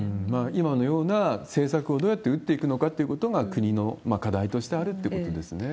今のような政策をどうやって売っていくのかっていうことが、国の課題としてあるということですね。